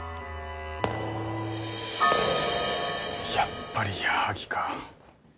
やっぱり矢作か。